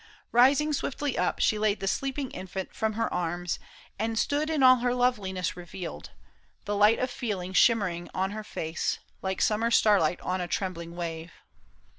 Rising swiftly up. She laid the sleeping infant from her arms, PAUL ISHAM. 6l And Stood in all her loveliness revealed, The light of feeling shimmering on her face Like summer starlight on a trembling wave.